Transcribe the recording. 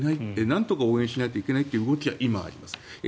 なんとか応援しないといけないという動きは今あります。